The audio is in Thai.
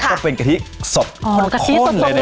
ก็เป็นกะทิสดข้นเลยนะ